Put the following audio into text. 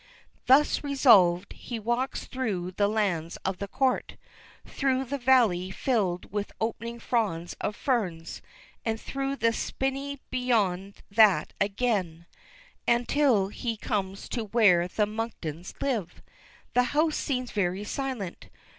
Thus resolved, he walks up through the lands of the Court, through the valley filled with opening fronds of ferns, and through the spinney beyond that again, until he comes to where the Monktons live. The house seems very silent.